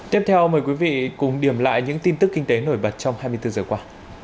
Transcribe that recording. tiếp theo mời quý vị cùng điểm lại những tin tức kinh tế nổi bật trong hai mươi bốn giờ qua